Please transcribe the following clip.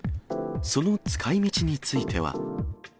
その使いみちについては。